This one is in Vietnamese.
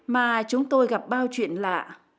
mà chúng tôi gặp bao chuyện lạ